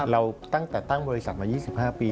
เราตั้งแต่ตั้งบริษัทมา๒๕ปี